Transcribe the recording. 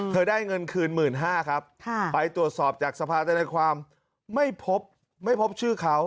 เธอได้เงินคืน๑๕๐๐๐บาทไปตรวจสอบจากสภาษณะในความไม่พบชื่อเขา